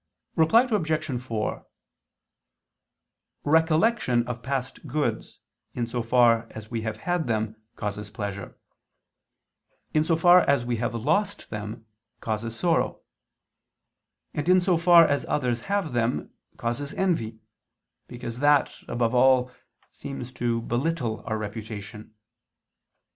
Reply Obj. 4: Recollection of past goods in so far as we have had them, causes pleasure; in so far as we have lost them, causes sorrow; and in so far as others have them, causes envy, because that, above all, seems to belittle our reputation.